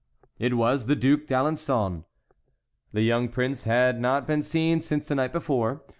It was the Duc d'Alençon. The young prince had not been seen since the night before.